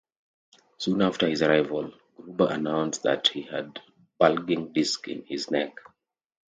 Soon after his arrival, Gruber announced that he had bulging discs in his neck.